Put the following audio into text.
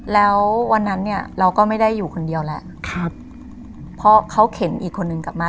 แล้ววันนั้นเนี่ยเราก็ไม่ได้อยู่คนเดียวแหละครับเพราะเขาเข็นอีกคนนึงกลับมา